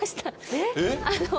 えっ！